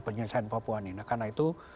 penyelesaian papua ini nah karena itu